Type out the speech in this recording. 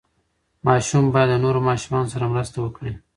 ماشوم باید د نورو ماشومانو سره مرسته وکړي.